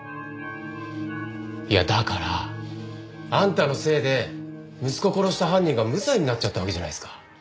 いやだからあんたのせいで息子殺した犯人が無罪になっちゃったわけじゃないっすか。